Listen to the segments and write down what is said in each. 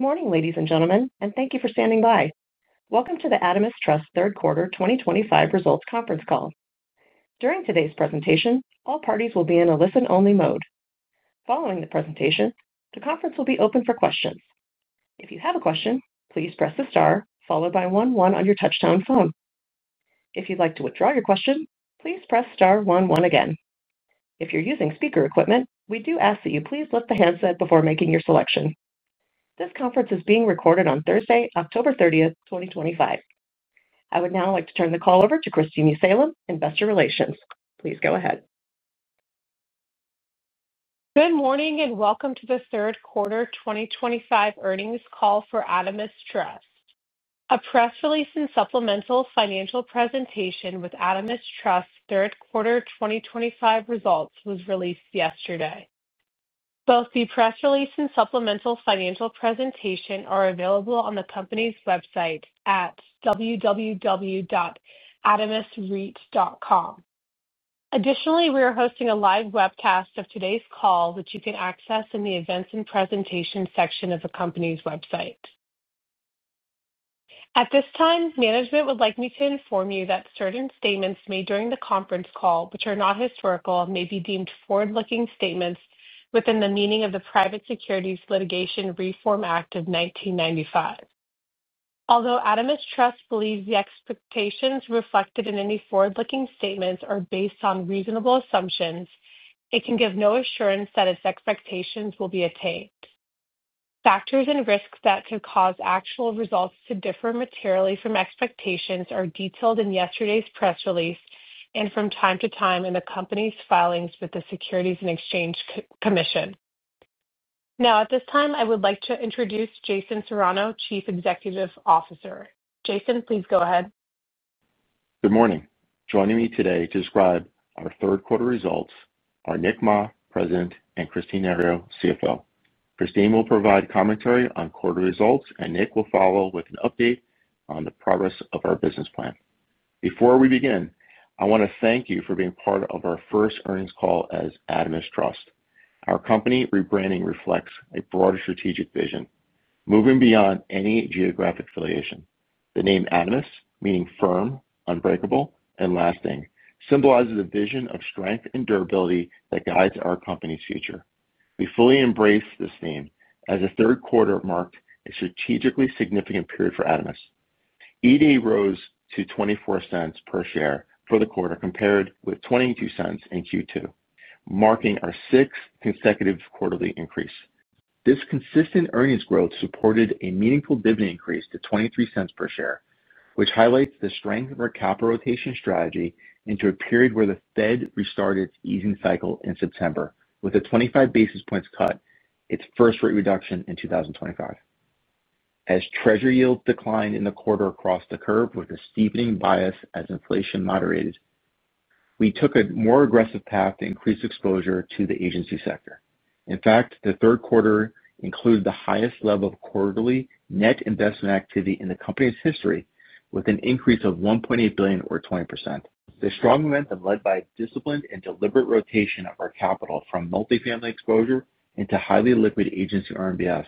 Morning ladies and gentlemen and thank you for standing by. Welcome to the Adamas Trust third quarter 2025 results conference call. During today's presentation, all parties will be in a listen only mode. Following the presentation, the conference will be open for questions. If you have a question, please press the star followed by one one on your touchtone phone. If you'd like to withdraw your question, please press star one one again. If you're using speaker equipment, we do ask that you please lift the handset before making your selection. This conference is being recorded on Thursday, October 30th, 2025. I would now like to turn the call over to Christine Salem, Investor Relations. Please go ahead. Good morning and welcome to the third quarter 2025 earnings call for Adamas Trust. A press release and supplemental financial presentation with Adamas Trust third quarter 2025 results was released yesterday. Both the press release and supplemental financial presentation are available on the company's website at www.adamisreit.com. Additionally, we are hosting a live webcast of today's call which you can access in the events and presentations section of the company's website. At this time, management would like me to inform you that certain statements made during the conference call which are not historical may be deemed forward-looking statements within the meaning of the Private Securities Litigation Reform Act of 1995. Although Adamas Trust believes the expectations reflected in any forward-looking statements are based on reasonable assumptions, it can give no assurance that its expectations will be attained. Factors and risks that could cause actual results to differ materially from expectations are detailed in yesterday's press release and from time to time in the company's filings with the Securities and Exchange Commission. Now at this time I would like to introduce Jason Serrano, Chief Executive Officer. Jason, please go ahead. Good morning. Joining me today to describe our third. Quarter results are Nick Mah, President, and Kristine Nario-Eng, CFO. Kristine will provide commentary on quarter results. Nick will follow with an update. On the progress of our business plan. Before we begin, I want to thank you for being part of our first earnings call as Adamas Trust. Our company rebranding reflects a broader strategic. Vision moving beyond any geographic affiliation. The name Adamis, meaning firm, unbreakable, and lasting, symbolizes a vision of strength and durability that guides our company's future. We fully embrace this theme as the third quarter marked a strategically significant period for Adamis. EAD rose to $0.24 per share for the quarter compared with $0.22 in Q2. Marking our sixth consecutive quarterly increase, this consistent earnings growth supported a meaningful dividend increase to $0.23 per share, which highlights the strength of our capital rotation strategy into a period where the Fed restarted its easing cycle in September with a 25 basis points cut, its first rate reduction in 2025. As treasury yields declined in the quarter across the curve with a steepening bias as inflation moderated, we took a more aggressive path to increase exposure to the agency sector. In fact, the third quarter included the highest level of quarterly net investment activity in the company's history with an increase of $1.8 billion or 20%. The strong momentum led by disciplined and deliberate rotation of our capital from multifamily exposure into highly liquid agency RMBS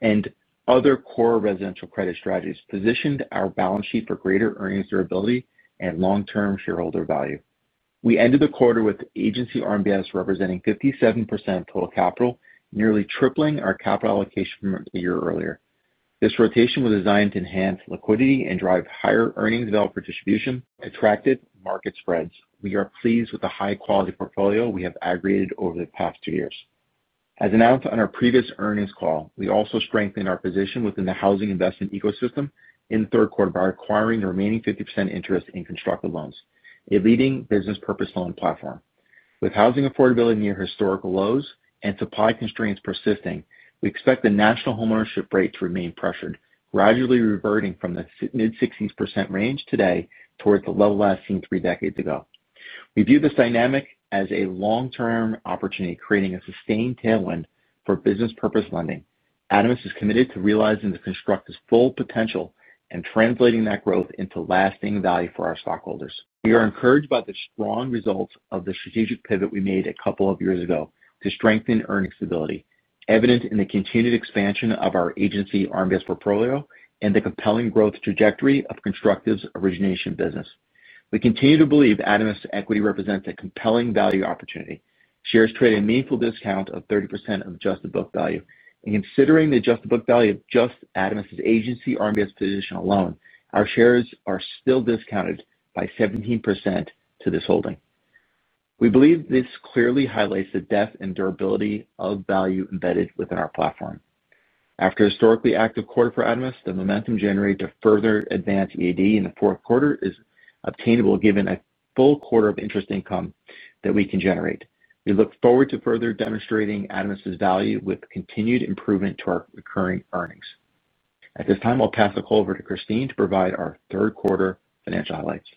and other core residential credit strategies positioned our balance sheet for greater earnings durability and long-term shareholder value. We ended the quarter with agency RMBS representing 57% of total capital, nearly tripling our capital allocation from a year earlier. This rotation was designed to enhance liquidity and drive higher earnings. Developer distribution attractive market spreads, we are pleased with the high-quality portfolio we have aggregated over the past two years as announced on our previous earnings call. We also strengthened our position within the housing investment ecosystem in the third quarter by acquiring the remaining 50% interest in Constructive, a leading business purpose loan platform. With housing affordability near historical lows and supply constraints persisting, we expect the national homeownership rate to remain pressured, gradually reverting from the mid-16% range today towards the level last seen three decades ago. We view this dynamic as a long-term opportunity, creating a sustained tailwind for business purpose lending. Adamas Trust is committed to realizing Constructive's full potential and translating that growth into lasting value for our stockholders. We are encouraged by the strong results of the strategic pivot we made a couple of years ago to strengthen earnings stability, evident in the continued expansion of our agency RMBS-based portfolio and the compelling growth trajectory of Constructive's origination business. We continue to believe Adamas Trust equity represents a compelling value opportunity. Shares traded at a meaningful discount of 30% of adjusted book value, and considering the adjusted book value of just Adamas Trust's agency RMBS position alone, our shares are still discounted by 17% to this holding. We believe this clearly highlights the depth and durability of value embedded within our platform. After a historically active quarter for Adamas Trust, the momentum generated to further advance EAD in the fourth quarter is obtainable given a full quarter of interest income that we can generate. We look forward to further demonstrating Adamas Trust's value with continued improvement to our recurring earnings. At this time, I'll pass the call over to Kristine to provide our third quarter financial highlights.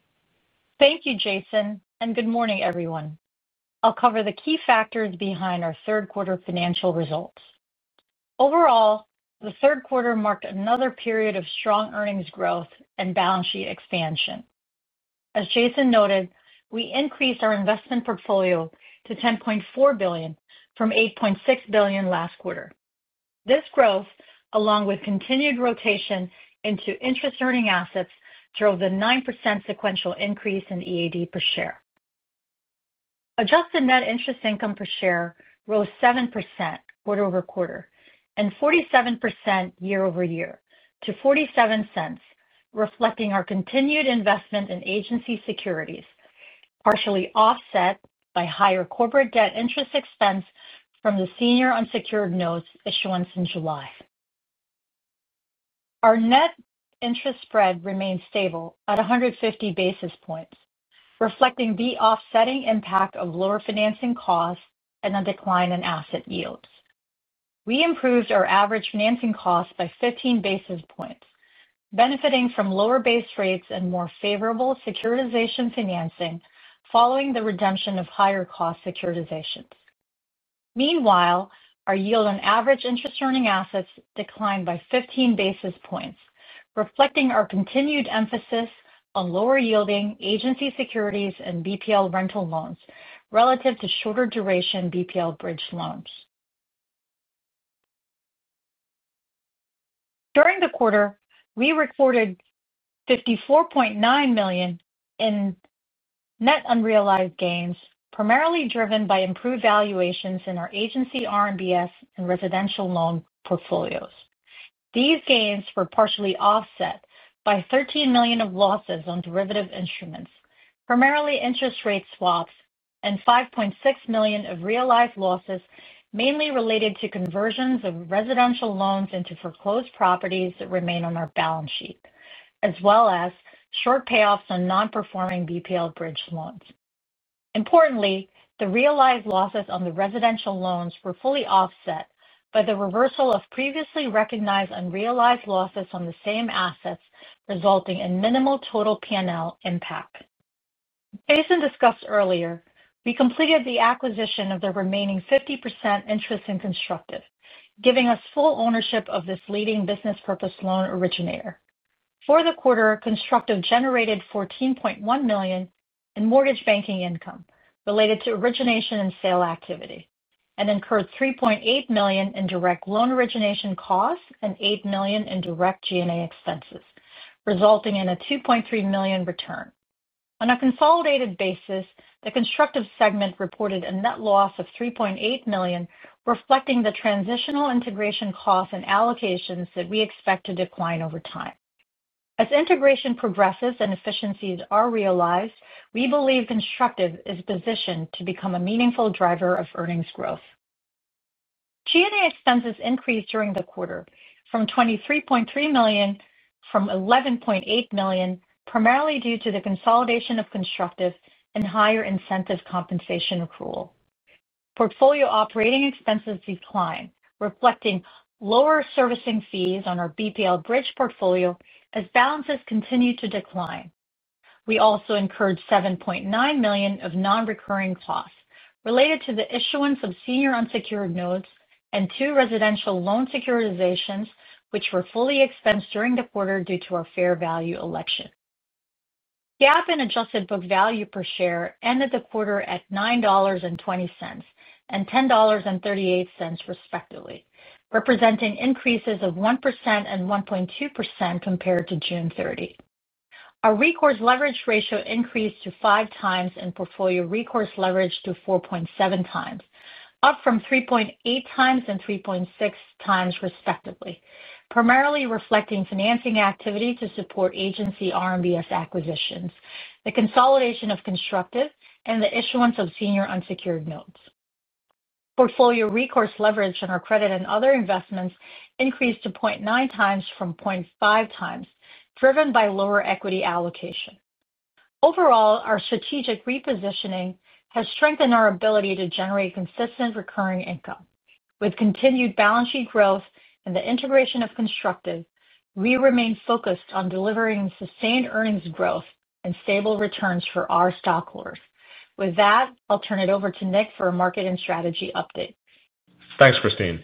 Thank you, Jason, and good morning, everyone. I'll cover the key factors behind our third quarter financial results. Overall, the third quarter marked another period of strong earnings growth and balance sheet expansion. As Jason noted, we increased our investment portfolio to $10.4 billion from $8.6 billion last quarter. This growth, along with continued rotation into interest earning assets, drove the 9% sequential increase in EAD per share. Adjusted net interest income per share rose 7% quarter-over-quarter and 47% year-over-year to $0.47, reflecting our continued investment in agency securities, partially offset by higher corporate debt interest expense from the senior unsecured notes issuance in July. Our net interest spread remained stable at 150 basis points, reflecting the offsetting impact of lower financing costs and a decline in asset yields. We improved our average financing cost by 15 basis points, benefiting from lower base rates and more favorable securitization financing following the redemption of higher cost securitizations. Meanwhile, our yield on average interest earning assets declined by 15 basis points, reflecting our continued emphasis on lower yielding agency securities and BPL rental loans relative to shorter duration BPL bridge loans. During the quarter, we recorded $54.9 million in net unrealized gains, primarily driven by improved valuations in our agency RMBS and residential loan portfolios. These gains were partially offset by $13 million of losses on derivative instruments, primarily interest rate swaps, and $5.6 million of realized losses, mainly related to conversions of residential loans into foreclosed properties that remain on our balance sheet, as well as short payoffs on non-performing BPL bridge loans. Importantly, the realized losses on the residential loans were fully offset by the reversal of previously recognized unrealized losses on the same assets, resulting in minimal total P&L impact. As Jason discussed earlier, we completed the acquisition of the remaining 50% interest in Constructive, giving us full ownership of this leading business purpose loan originator. For the quarter, Constructive generated $14.1 million in mortgage banking income related to origination and sale activity and incurred $3.8 million in direct loan origination costs and $8 million in direct G&A expenses, resulting in a $2.3 million return on a consolidated basis. The Constructive segment reported a net loss of $3.8 million, reflecting the transitional integration costs and allocations that we expect to decline over time as integration progresses and efficiencies are realized. We believe Constructive is positioned to become a meaningful driver of earnings growth. G&A expenses increased during the quarter to $23.3 million from $11.8 million, primarily due to the consolidation of Constructive and higher incentive compensation accrual. Portfolio operating expenses declined, reflecting lower servicing fees on our BPL Bridge portfolio as balances continue to decline. We also incurred $7.9 million of non-recurring costs related to the issuance of senior unsecured notes and two residential loan securitizations, which were fully expensed during the quarter due to our fair value election. GAAP and adjusted book value per share ended the quarter at $9.20 and $10.38, respectively, representing increases of 1% and 1.2% compared to June 30. Our recourse leverage ratio increased to 5x and portfolio recourse leverage to 4.7x, up from 3.8x and 3.6x, respectively, primarily reflecting financing activity to support agency RMBS acquisitions, the consolidation of Constructive, and the issuance of senior unsecured notes. Portfolio recourse leverage on our credit and other investments increased to 0.9x from 0.5x, driven by lower equity allocation. Overall, our strategic repositioning has strengthened our ability to generate consistent recurring income. With continued balance sheet growth and the integration of Constructive, we remain focused on delivering sustained earnings growth and stable returns for our stockholders. With that, I'll turn it over to Nick for a market and strategy update. Thanks, Kristine.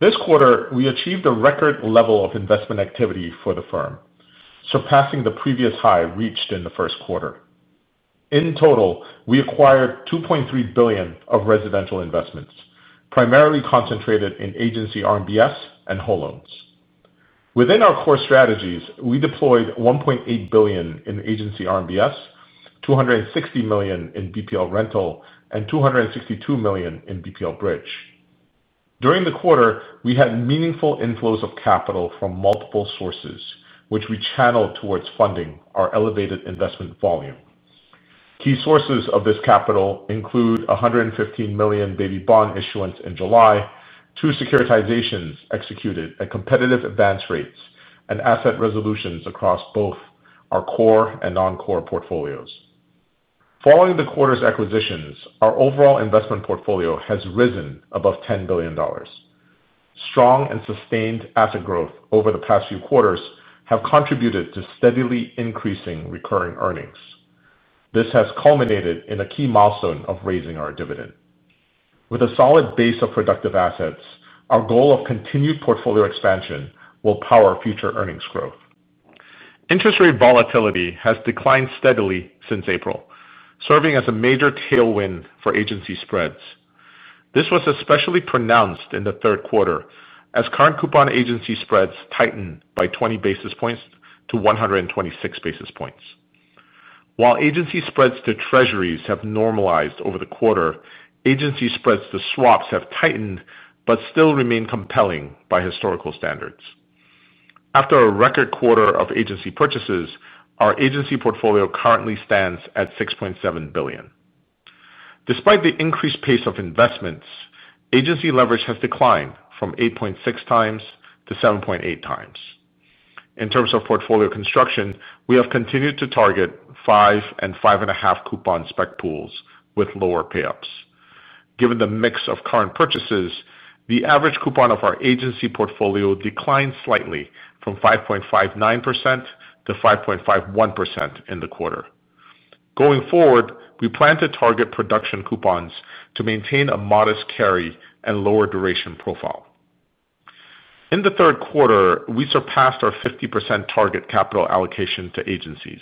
This quarter we achieved a record level of investment activity for the firm, surpassing the previous high reached in the first quarter. In total, we acquired $2.3 billion of residential investments, primarily concentrated in agency residential mortgage-backed securities (RMBS) and whole loans. Within our core strategies, we deployed $1.8 billion in agency RMBS, $260 million in business purpose loan (BPL) rental, and $262 million in BPL bridge. During the quarter, we had meaningful inflows of capital from multiple sources, which we channeled towards funding our elevated investment volume. Key sources of this capital include a $115 million baby bond issuance in July, two securitizations executed at competitive advance rates, and asset resolutions across both our core and non-core portfolios. Following the quarter's acquisitions, our overall investment portfolio has risen above $10 billion. Strong and sustained asset growth over the past few quarters has contributed to steadily increasing recurring earnings. This has culminated in a key milestone of raising our dividend with a solid base of productive assets. Our goal of continued portfolio expansion will power future earnings growth. Interest rate volatility has declined steadily since April, serving as a major tailwind for agency spreads. This was especially pronounced in the third quarter as current coupon agency spreads tightened by 20 basis points to 126 basis points, while agency spreads to Treasuries have normalized over the quarter. Agency spreads to swaps have tightened but still remain compelling by historical standards. After a record quarter of agency purchases, our agency portfolio currently stands at $6.7 billion. Despite the increased pace of investments, agency leverage has declined from 8.6x-7.8x. In terms of portfolio construction, we have continued to target 5 and 5.5 coupon spec pools with lower pay ups. Given the mix of current purchases, the average coupon of our agency portfolio declined slightly from 5.59% to 5.51% in the quarter. Going forward, we plan to target production coupons to maintain a modest carry and lower duration profile. In the third quarter, we surpassed our 50% target capital allocation to agencies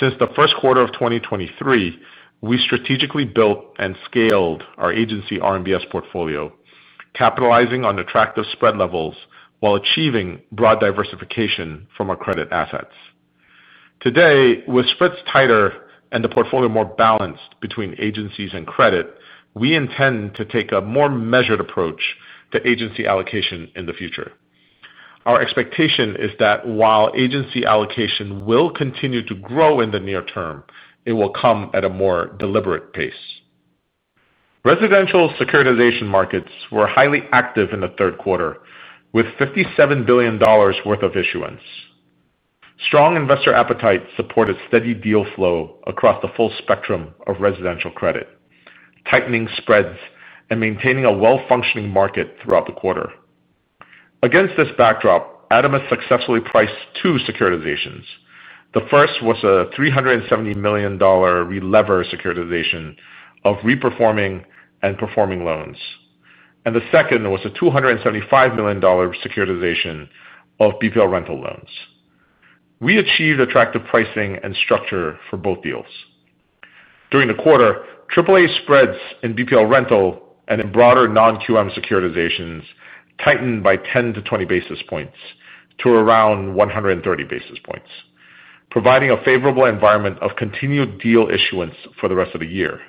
since the first quarter of 2023. We strategically built and scaled our agency RMBS portfolio, capitalizing on attractive spread levels while achieving broad diversification from our credit assets. Today, with spreads tighter and the portfolio more balanced between agencies and credit, we intend to take a more measured approach to agency allocation in the future. Our expectation is that while agency allocation will continue to grow in the near term, it will come at a more deliberate pace. Residential securitization markets were highly active in the third quarter with $57 billion worth of issuance. Strong investor appetite supported steady deal flow across the full spectrum of residential credit, tightening spreads and maintaining a well-functioning market throughout the quarter. Against this backdrop, Adamas Trust successfully priced two securitizations. The first was a $370 million re-lever securitization of re-performing and performing loans, and the second was a $275 million securitization of BPL rental loans. We achieved attractive pricing and structure for both deals during the quarter. AAA spreads in BPL rental and in broader non-QM securitizations tightened by 10-20 basis points to around 130 basis points, providing a favorable environment of continued deal issuance for the rest of the year.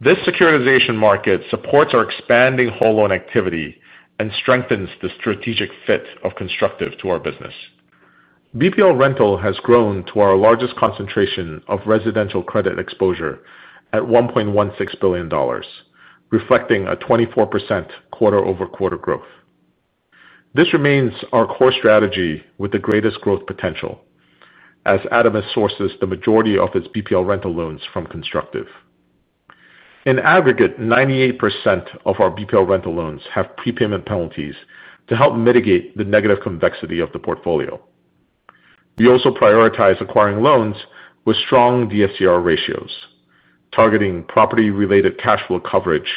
This securitization market supports our expanding whole loan activity and strengthens the strategic fit of Constructive to our business. BPL rental has grown to our largest concentration of residential credit exposure at $1.16 billion, reflecting a 24% quarter-over-quarter growth. This remains our core strategy with the greatest growth potential as Adamas Trust sources the majority of its BPL rental loans from Constructive. In aggregate, 98% of our BPL rental loans have prepayment penalties to help mitigate the negative convexity of the portfolio. We also prioritize acquiring loans with strong DSCR ratios, targeting property-related cash flow coverage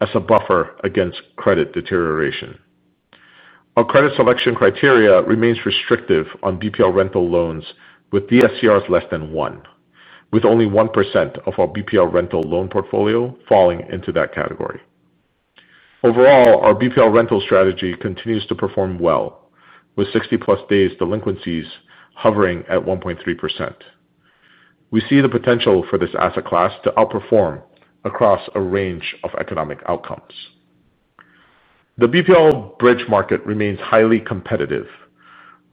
as a buffer against credit deterioration. Our credit selection criteria remains restrictive on BPL rental loans with DSCRs less than 1, with only 1% of our BPL rental loan portfolio falling into that category. Overall, our BPL rental strategy continues to perform well with 60+ days delinquencies hovering at 1.3%. We see the potential for this asset class to outperform across a range of economic outcomes. The BPL bridge market remains highly competitive.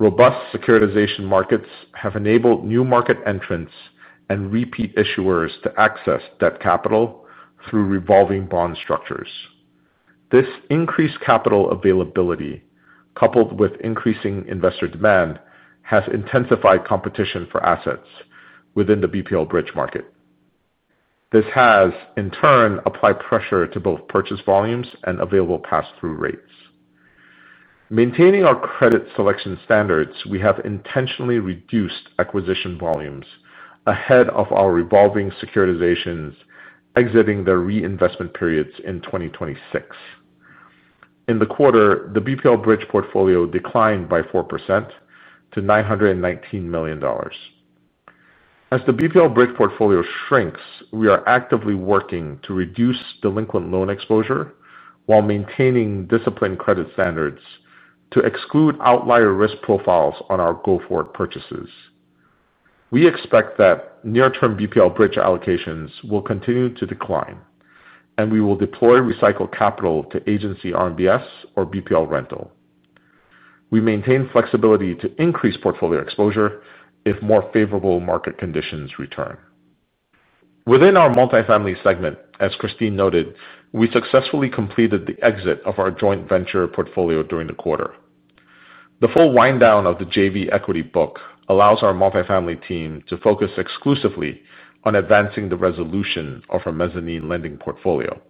Robust securitization markets have enabled new market entrants and repeat issuers to access debt capital through revolving bond structures. This increased capital availability, coupled with increasing investor demand, has intensified competition for assets within the BPL Bridge market. This has, in turn, applied pressure to both purchase volumes and available pass-through rates. Maintaining our credit selection standards, we have intentionally reduced acquisition volumes ahead of our revolving securitizations exiting their reinvestment periods in 2026. In the quarter, the BPL Bridge portfolio declined by 4% to $919 million. As the BPL Bridge portfolio shrinks, we are actively working to reduce delinquent loan exposure while maintaining disciplined credit standards to exclude outlier risk profiles on our go-forward purchases. We expect that near-term BPL Bridge allocations will continue to decline, and we will deploy recycled capital to agency RMBS or BPL rental. We maintain flexibility to increase portfolio exposure if more favorable market conditions return within our multifamily segment. As Kristine noted, we successfully completed the exit of our joint venture portfolio during the quarter. The full wind-down of the joint venture equity book allows our multifamily team to focus exclusively on advancing the resolution of our mezzanine lending portfolio.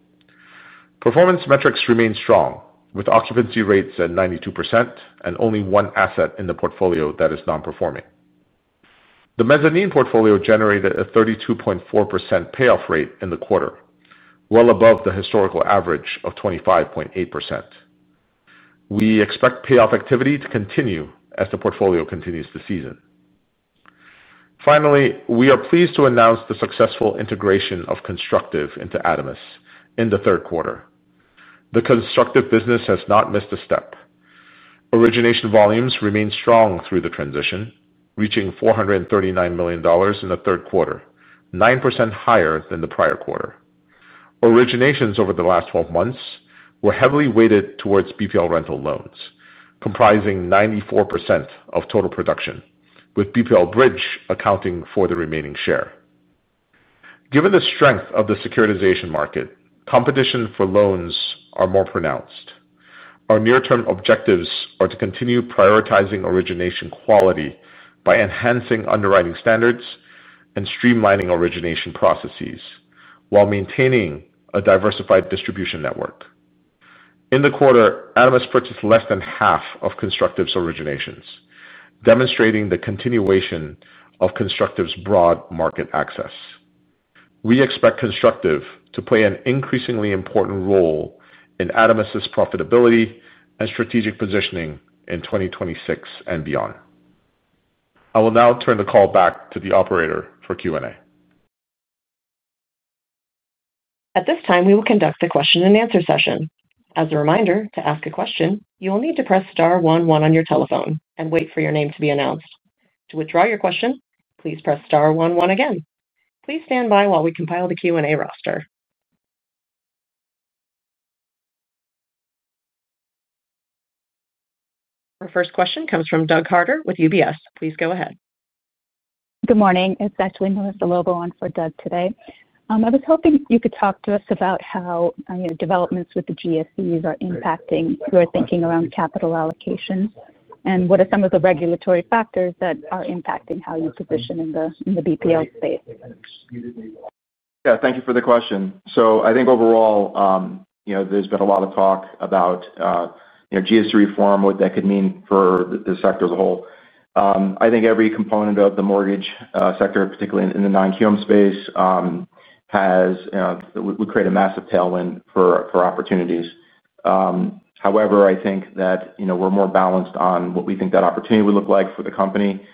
Performance metrics remain strong, with occupancy rates at 92% and only one asset in the portfolio that is non-performing. The mezzanine portfolio generated a 32.4% payoff rate in the quarter, well above the historical average of 25.8%. We expect payoff activity to continue as the portfolio continues to season. Finally, we are pleased to announce the successful integration of Constructive into Adamas Trust in the third quarter. The Constructive business has not missed a step. Origination volumes remain strong through the transition, reaching $439 million in the third quarter, 9% higher than the prior quarter. Originations over the last 12 months were heavily weighted towards BPL rental loans, comprising 94% of total production, with BPL Bridge accounting for the remaining share. Given the strength of the securitization market, competition for loans is more pronounced. Our near-term objectives are to continue prioritizing origination quality by enhancing underwriting standards and streamlining origination processes while maintaining a diversified distribution network. In the quarter, Adamas Trust purchased less than half of Constructive's originations, demonstrating the continuation of Constructive's broad market access. We expect Constructive to play an increasingly important role in Adamas Trust profitability and strategic positioning in 2026 and beyond. I will now turn the call back to the operator for Q and A. At this time, we will conduct the question and answer session. As a reminder, to ask a question, you will need to press star one one on your telephone and wait for your name to be announced. To withdraw your question, please press star one one again. Please stand by while we compile the Q and A roster. Our first question comes from Doug Harter with UBS. Please go ahead. Good morning. It's actually Melissa Lobo on for Doug today. I was hoping you could talk to us about how developments with the GSEs are impacting your thinking around capital allocation, and what are some of the regulatory factors that are impacting how you position in the BPL space. Thank you for the question. I think overall there's been a lot of talk about GSD reform, what that could mean for the sector as a whole. I think every component of the mortgage sector, particularly in the non QM space, would create a massive tailwind for opportunities. However, I think that we're more balanced on what we think that opportunity would look like for the company,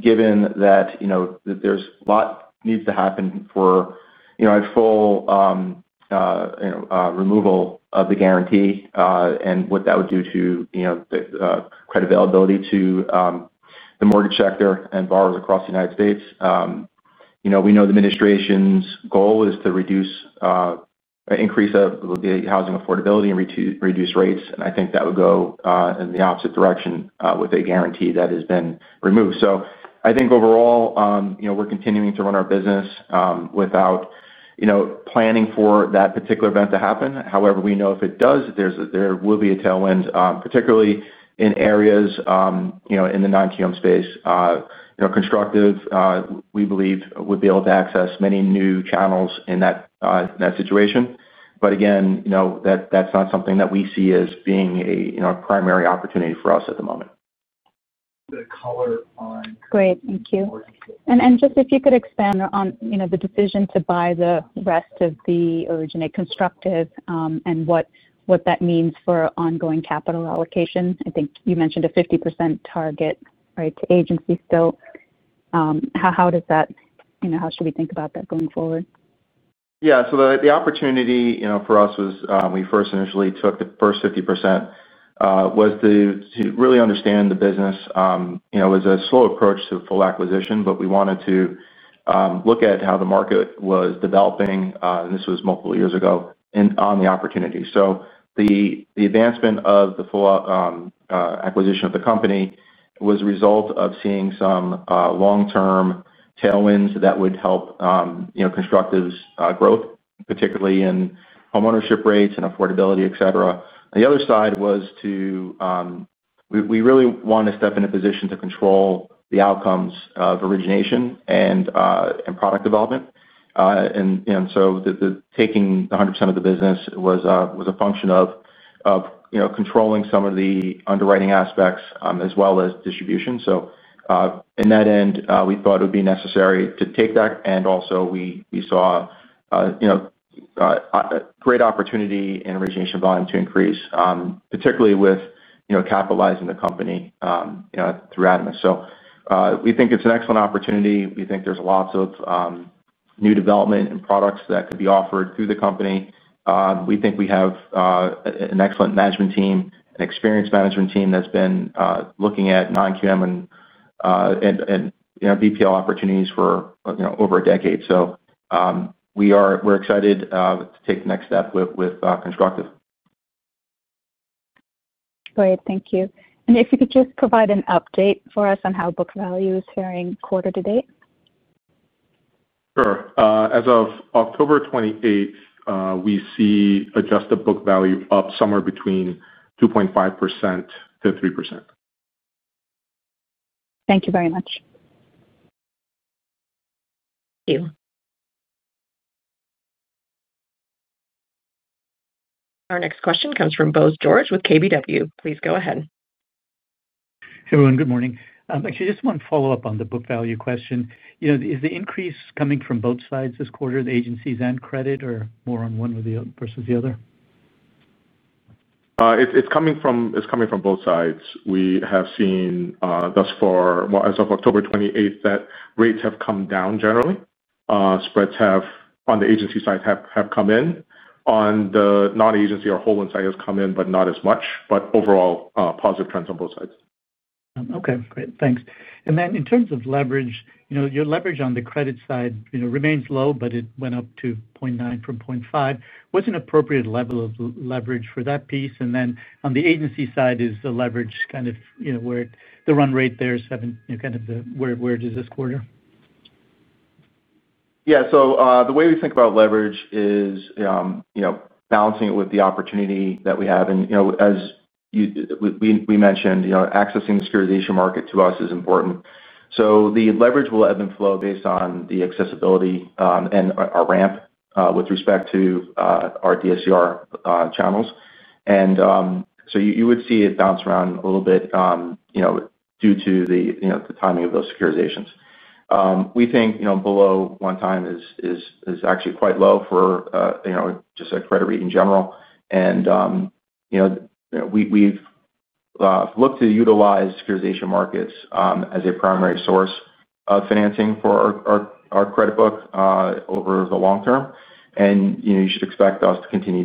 given that a lot needs to happen for a full removal of the guarantee and what that would do to credit availability to the mortgage sector and borrowers across the United States. We know the administration's goal is to increase housing affordability and reduce rates. I think that would go in the opposite direction with a guarantee that has been removed. I think overall we're continuing to run our business without planning for that particular event to happen. However, we know if it does, there will be a tailwind, particularly in areas in the non QM space. Constructive, we believe, would be able to access many new channels in that situation. Again, that's not something that we see as being a primary opportunity for. Us at the moment. Great, thank you. If you could expand on the decision to buy the rest of the originate Constructive and what that means for ongoing capital allocation. I think you mentioned a 50% target to agency still. How does that, how should we think about that going forward? Yeah, so the opportunity for us was we first initially took the first 50% to really understand the business. It was a slow approach to full acquisition, but we wanted to look at how the market was developing. This was multiple years ago on the opportunity. The advancement of the full acquisition of the company was a result of seeing some long-term tailwinds that would help Constructive growth, particularly in homeownership rates and affordability, etc. The other side was we really wanted to step in a position to control the outcomes of origination and product development. Taking 100% of the business was a function of controlling some of the underwriting aspects as well as distribution. In that end, we thought it would be necessary to take that. We also saw great opportunity in origination volume to increase, particularly with capitalizing the company through Adamas Trust. We think it's an excellent opportunity. We think there's lots of new development and products that could be offered through the company. We think we have an excellent management team, an experienced management team that's been looking at non-QM and BPL opportunities for over a decade. We're excited to take the next step with Constructive. Great, thank you. If you could just provide an update for us on how book value is faring quarter to date. Sure. As of October 28th, we see adjusted book value up somewhere between 2.5%-3%. Thank you very much. Our next question comes from Bose George with KBW. Please go ahead, everyone. Good morning. Actually, just one follow-up on the book value question. Is the increase coming from both sides this quarter, the agencies and credit, or more on one versus the other? It's coming from both sides. We have seen thus far as of October 28th that rates have come down. Generally, spreads on the agency side have come in. On the non-agency or whole loan side, spreads have come in, but not as much. Overall, there are positive trends on both sides. Okay, great, thanks. In terms of leverage, your leverage on the credit side remains low, but it went up to 0.9 from 0.5. What's an appropriate level of leverage for that piece? On the agency side, is the leverage kind of where the run rate there is, kind of where it is this quarter? Yeah. The way we think about leverage is balancing it with the opportunity that we have. As we mentioned, accessing the securitization market to us is important. The leverage will ebb and flow based on the accessibility and our ramp with respect to our DSCR channels. You would see it bounce around a little bit due to the timing of those securitizations. We think below one time is actually quite low for just a credit REIT in general, and we've looked to utilize securitization markets as a primary source of financing for our credit book over the long term. You should expect us to continue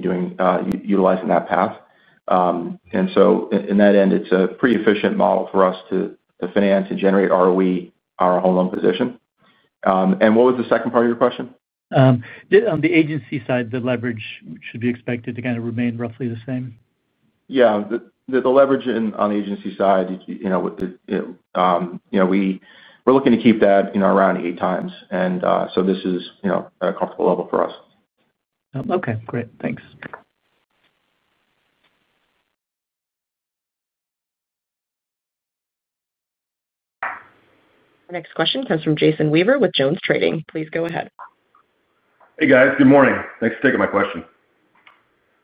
utilizing that path. In that end, it's a pretty efficient model for us to finance and generate ROE, our home loan position. What was the second part of your question? On the agency side, the leverage should be expected to kind of remain roughly the same. Yeah, the leverage on the agency side, we're looking to keep that around 8x, and this is a comfortable level for us. Okay, great, thanks. Our next question comes from Jason Weaver with JonesTrading. Please go ahead. Hey guys, good morning. Thanks for taking my question.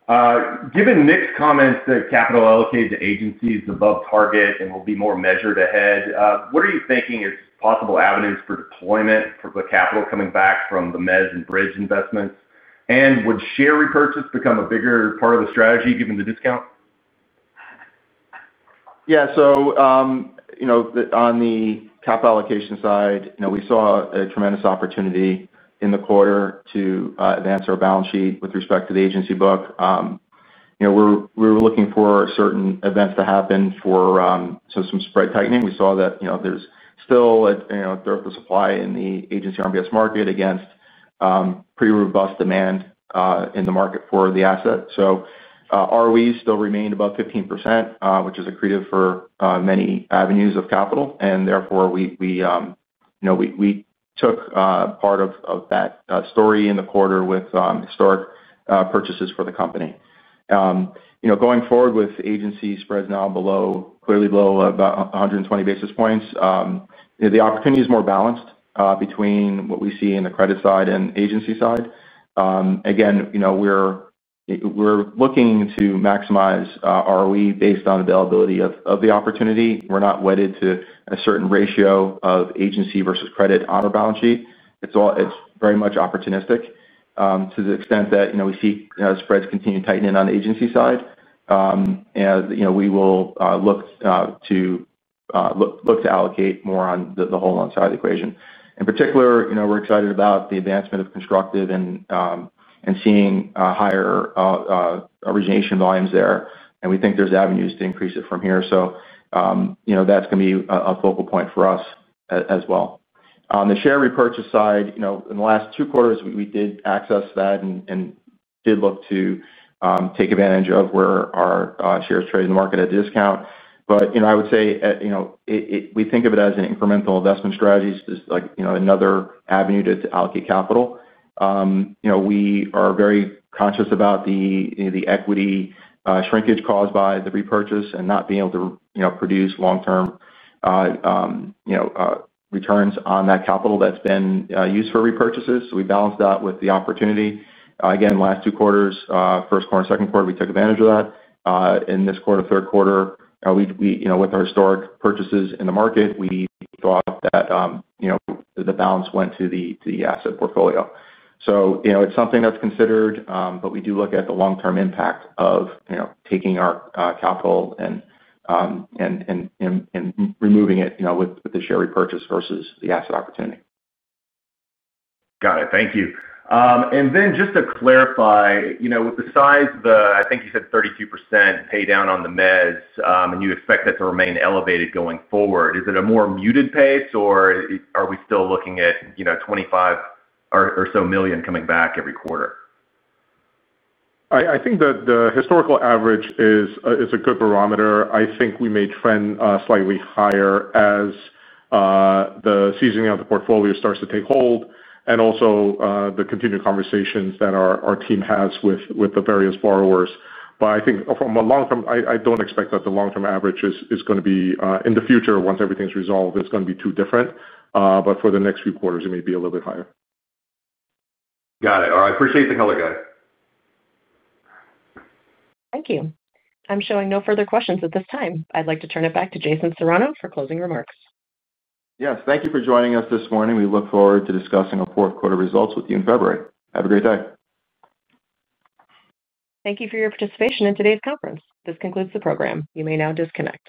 Given Nick's comments that capital allocated to agencies is above target and will be more measured ahead, what are you thinking? Is possible evidence for deployment? Deployment for the capital coming back from. The mezzanine and bridge investments. Would share repurchase become a bigger? Part of the strategy given the discount? Yeah. On the capital allocation side, we saw a tremendous opportunity in the quarter to advance our balance sheet with respect to the agency book. We were looking for certain events to happen for some spread tightening. We saw that there's still a dearth of supply in the agency RMBS market against pretty robust demand in the market for the asset. ROE still remained about 15% which is accretive for many avenues of capital. Therefore, we took part of that story in the quarter with historic purchases for the company going forward. With agency spreads now clearly below about 120 basis points, the opportunity is more balanced between what we see in the credit side and agency side. Again, we're looking to maximize ROE based on availability of the opportunity. We're not wedded to a certain ratio of agency versus credit on our balance sheet. It's very much opportunistic to the extent that we see spreads continue tightening on the agency side and we will. Look. To allocate more on the whole loan side of the equation. In particular, we're excited about the advancement of Constructive and seeing higher origination volumes there, and we think there's avenues to increase it from here. That's going to be a focal point for us as well. On the share repurchase side, in the last two quarters we did access that and did look to take advantage of where our shares trade in the market at a discount. I would say we think of it as an incremental investment strategy, another avenue to allocate capital. We are very conscious about the equity shrinkage caused by the repurchase and not being able to produce long term. Returns. On that capital that's been used for repurchases, we balance that with the opportunity. Again, last two quarters, first quarter, second quarter, we took advantage of that. In this quarter, third quarter, with our historic purchases in the market, we thought that the balance went to the asset portfolio. It's something that's considered. We do look at the long term impact of taking our capital and removing it with the share repurchase versus the asset opportunity. Got it, thank you. Just to clarify, with the. Size, I think you said 32% pay down on the mezz and you expect that to remain elevated going forward. Is it a more muted pace or are we still looking at $25 million or so coming back every quarter? I think that the historical average is a good barometer. I think we may trend slightly higher as the seasoning of the portfolio starts to take hold and also the continued conversations that our team has with the various borrowers. I think from a long term, I don't expect that the long term average is going to be, in the future once everything is resolved, it's going to be too different. For the next few quarters it may be a little bit higher. Got it. I appreciate the color, guys. Thank you. I'm showing no further questions at this time. I'd like to turn it back to Jason Serrano for closing remarks. Yes, thank you for joining us this morning. We look forward to discussing our fourth. Quarter results with you in February. Have a great day. Thank you for your participation in today's conference. This concludes the program. You may now disconnect.